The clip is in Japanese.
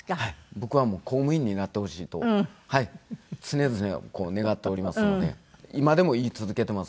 僕はもう公務員になってほしいと常々願っておりますので今でも言い続けています。